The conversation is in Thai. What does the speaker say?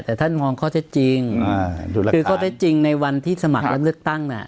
แต่ท่านมองข้อเท็จจริงคือข้อเท็จจริงในวันที่สมัครรับเลือกตั้งน่ะ